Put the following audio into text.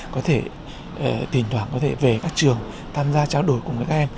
có thể thỉnh thoảng có thể về các trường tham gia trao đổi cùng với các em